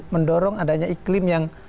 mendorong adanya iklim yang